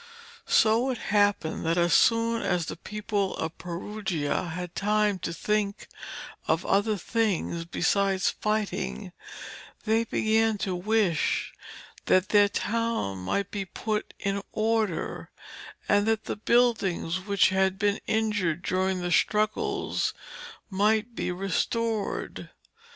So it happened that as soon as the people of Perugia had time to think of other things besides fighting, they began to wish that their town might be put in order, and that the buildings which had been injured during the struggles might be restored.